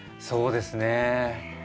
そうですね。